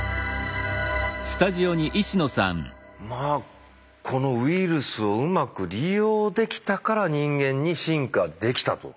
まあこのウイルスをうまく利用できたから人間に進化できたと。